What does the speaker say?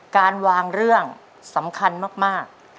การวางเรื่องสำคัญมาก